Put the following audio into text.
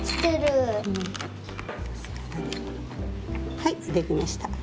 はいできました。